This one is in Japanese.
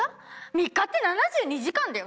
３日って７２時間だよ。